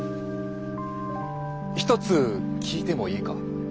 一つ聞いてもいいか。